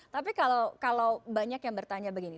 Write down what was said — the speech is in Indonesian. tapi kalau banyak yang bertanya begini